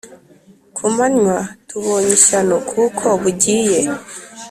ku manywa Tubonye ishyano kuko bugiye